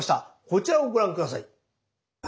こちらをご覧下さい。